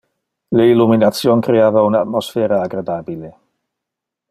Le illumination creava un atmosphera agradabile.